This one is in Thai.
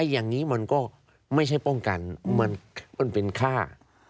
อย่างนี้มันก็ไม่ใช่ป้องกันมันเป็นค่า